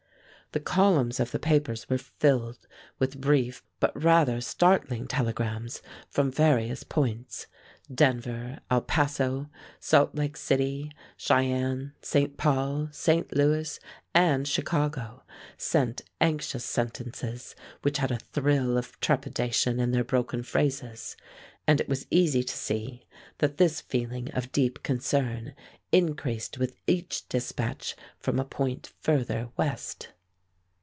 The columns of the papers were filled with brief but rather startling telegrams from various points. Denver, El Paso, Salt Lake City, Cheyenne, St. Paul, St. Louis, and Chicago sent anxious sentences which had a thrill of trepidation in their broken phrases. And it was easy to see that this feeling of deep concern increased with each dispatch from a point further west.